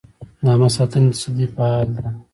د عامه ساتنې تصدۍ فعال ده؟